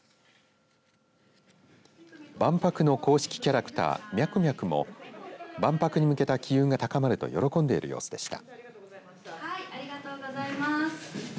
万博の公式キャラクターミャクミャクも万博に向けた機運が高まると喜んでいる様子でした。